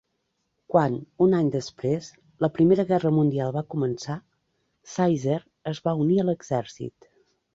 Quan, un any després, la primera guerra mundial va començar, Zaisser es va unir a l'exèrcit.